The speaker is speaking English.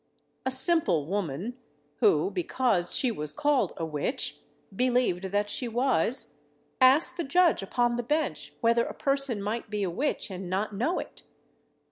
A simple woman, who, because she was called a witch, believed that she was, asked the judge upon the bench whether a person might be a witch and not know it?